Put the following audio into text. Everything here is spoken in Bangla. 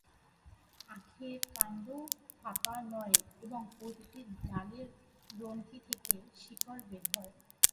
আখের কান্ড ফাঁপা নয় এবং প্রতিটি ডালের গ্রন্থি থেকে শিকড় বের হয়।